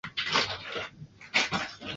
甲胄海葵总科是海葵目下的一总科。